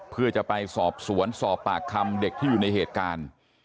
เพื่อจะไปสอบสวนสอบปากคำเด็กที่อยู่ในเหตุการณ์